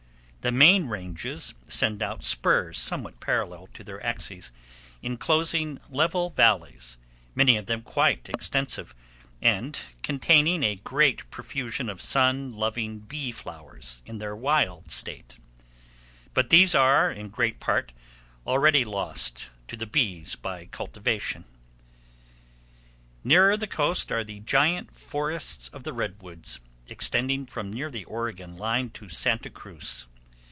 The main ranges send out spurs somewhat parallel to their axes, inclosing level valleys, many of them quite extensive, and containing a great profusion of sun loving bee flowers in their wild state; but these are, in great part, already lost to the bees by cultivation. Nearer the coast are the giant forests of the redwoods, extending from near the Oregon line to Santa Cruz.